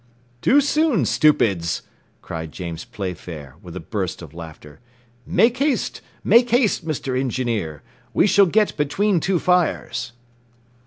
"Too soon, stupids," cried James Playfair, with a burst of laughter. "Make haste, make haste, Mr. Engineer! We shall get between two fires."